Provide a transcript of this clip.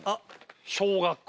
小学校。